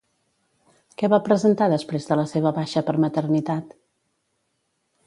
Què va presentar després de la seva baixa per maternitat?